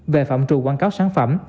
về phạm trù quảng cáo sản phẩm